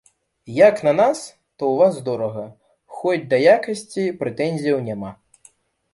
Як на нас, то ў вас дорага, хоць да якасці прэтэнзіяў няма.